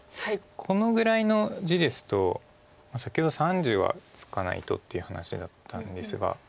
このぐらいの地ですと先ほど３０はつかないとっていう話だったんですが。